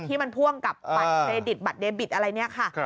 ที่มันพ่วงกับบัตรเครดิตบัตรเดบิตอะไรเนี่ยค่ะ